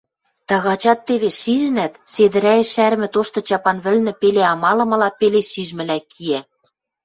Тагачат тевеш шижӹнӓт, седӹрӓэш шӓрӹмӹ тошты чапан вӹлнӹ пеле амалымыла, пеле шижмӹлӓ киӓ.